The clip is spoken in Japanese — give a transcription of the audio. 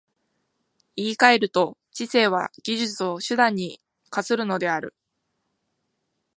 言い換えると、知性は技術を手段に化するのである。